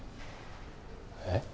えっ？